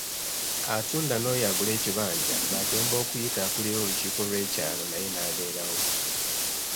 Atunda n'oyo agula ekibanja baddembe okuyita akulira olukiiko lw'ekyalo naye n'abeerawo.